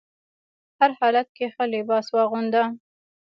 هر حالت کې ښه لباس واغونده.